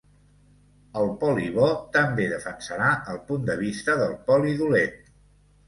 El poli bo també defensarà el punt de vista del poli dolent.